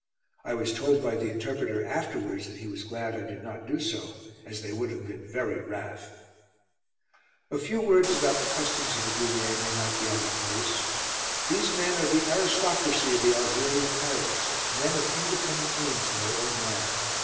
I was told by the interpreter afterwards that he was glad I did not do so, as they would have been very wrath? A few words about the customs of the Goumiers may not be out of place. These men are the aristocracy of the Algerian Arabs; men of independent means in their own land.